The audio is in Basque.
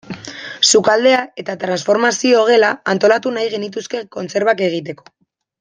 Sukaldea eta transformazio gela antolatu nahi genituzke kontserbak egiteko.